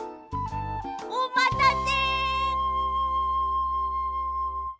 おまたせ！